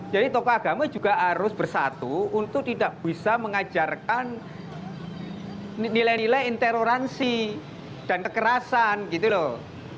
jadi tokoh agama juga harus bersatu untuk tidak bisa mengajarkan nilai nilai interoransi dan kekerasan gitu loh